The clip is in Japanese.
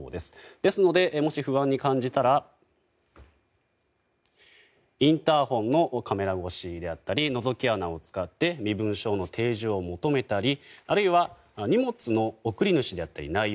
ですので、もし不安に感じたらインターホンのカメラ越しであったりのぞき穴を使って身分証の提示を求めたりあるいは荷物の送り主や内容